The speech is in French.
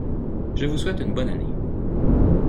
Je vous souhaite une bonne année.